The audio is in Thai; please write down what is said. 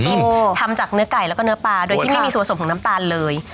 ที่ทำจากเนื้อไก่แล้วก็เนื้อปลาโดยที่ไม่มีส่วนของน้ำตาลเลย